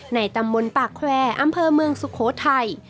ในตำบลปากแควร์อำเภอเมืองสุโขทัย